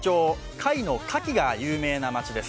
貝の牡蠣が有名な町です。